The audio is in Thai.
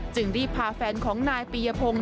จึงรีบพาแฟนของนายปียพงศ์